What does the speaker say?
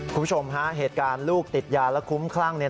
คุณผู้ชมฮะเหตุการณ์ลูกติดยาและคุ้มคลั่ง